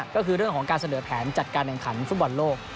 ก็คือเรื่องของการเสนอแผนจัดการแข่งขันฟุตบอลโลก